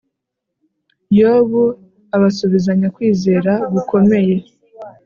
yobu abasubizanya kwizera gukomeye